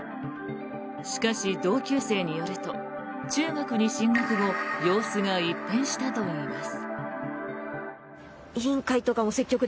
しかし、同級生によると中学に進学後様子が一変したといいます。